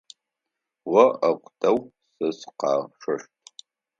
О ӏэгу теу, сэ сыкъэшъощт.